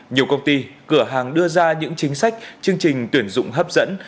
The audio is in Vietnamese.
nhiều công ty cửa hàng đưa ra những chính sách chương trình tuyển dụng hấp dẫn